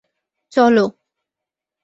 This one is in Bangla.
চল।